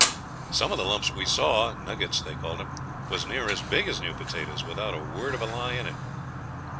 Some of the lumps we saw nuggets they called 'em was near as big as new potatoes, without a word of a lie in it.